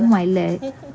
một người đàn ông